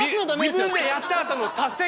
自分でやったあとの達成感。